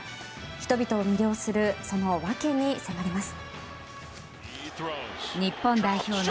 人々を魅了するその訳に迫ります。